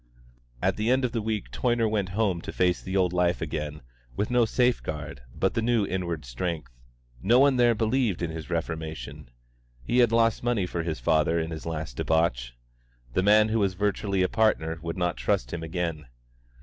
At the end of the week Toyner went home to face the old life again with no safe guard but the new inward strength. No one there believed in his reformation. He had lost money for his father in his last debauch; the man who was virtually a partner would not trust him again.